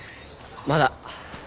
まだ。